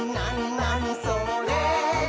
なにそれ？」